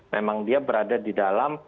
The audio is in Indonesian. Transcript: memang dia berada di dalam